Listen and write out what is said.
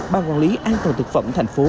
ban quản lý an toàn thực phẩm thành phố